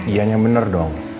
iya nya bener dong